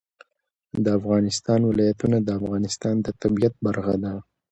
د افغانستان ولايتونه د افغانستان د طبیعت برخه ده.